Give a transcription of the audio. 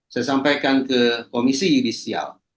saya sampaikan ke komisi yudisial